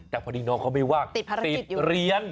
แต่พอดีน้องเขาไม่ว่างติดเรียน